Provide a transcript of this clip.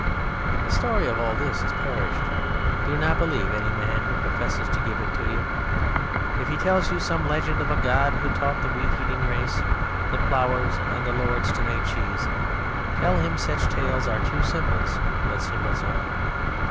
The story of all this has perished. Do not believe any man who professes to give it you. If he tells you some legend of a god who taught the Wheat eating Race, the Ploughers, and the Lords to make cheese, tell him such tales are true symbols, but symbols only.